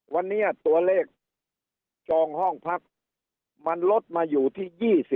วันนี้ตัวเลขจองห้องพักมันลดมาอยู่ที่๒๐